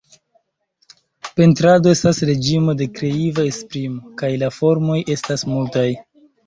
Pentrado estas reĝimo de kreiva esprimo, kaj la formoj estas multaj.